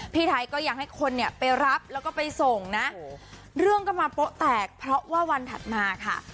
พี่ไทยก็ยังให้คนเนี่ยไปรับแล้วก็ไปส่งนะเรื่องก็มาโป๊ะแตกเพราะว่าวันถัดมาค่ะ